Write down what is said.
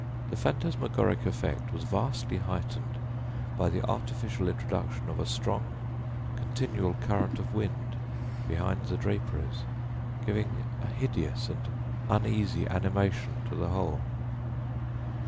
The phantasmagoric effect was vastly heightened by the artificial introduction of a strong continual current of wind behind the draperies giving a hideous and uneasy animation to the whole.